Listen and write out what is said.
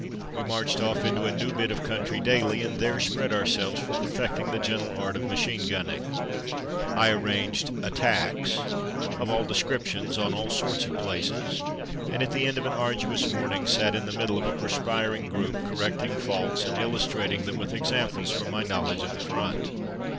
We marched off into a new bit of country daily, and there spread ourselves for per fecting the gentle art of machine gunning. I arranged "attacks'' of all descriptions on all sorts of places, and at the end of an ardu ous morning, sat in the middle of a perspir ing group, correcting faults and illustrating them with examples from my knowledge of the front.